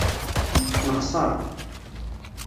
Nexṣeṛ.